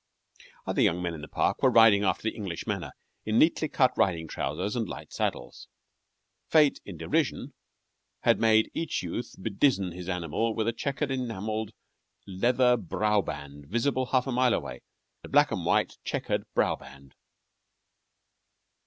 Other young men in the park were riding after the English manner, in neatly cut riding trousers and light saddles. Fate in derision had made each youth bedizen his animal with a checkered enamelled leather brow band visible half a mile away a black and white checkered brow band!